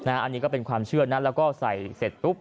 อันนี้ก็เป็นความเชื่อนะแล้วก็ใส่เสร็จปุ๊บ